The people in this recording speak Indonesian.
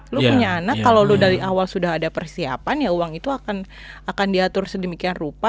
lu punya anak kalau lo dari awal sudah ada persiapan ya uang itu akan diatur sedemikian rupa